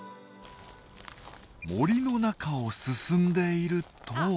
森の中を進んでいると。